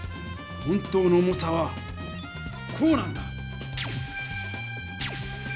本当の重さはこうなんだ。